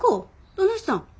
どないしたん？